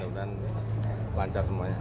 semoga moga lancar semuanya